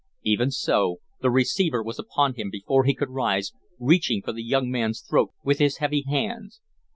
Even so, the receiver was upon him before he could rise, reaching for the young man's throat with his heavy hands.